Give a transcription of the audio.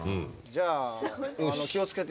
じゃあ気を付けて。